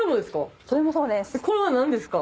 これは何ですか？